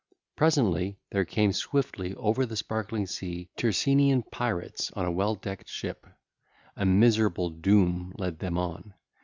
Presently there came swiftly over the sparkling sea Tyrsenian 2530 pirates on a well decked ship—a miserable doom led them on.